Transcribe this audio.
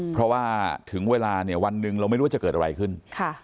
เพราะว่าถึงเวลาเนี่ยวันหนึ่งเราไม่รู้ว่าจะเกิดอะไรขึ้น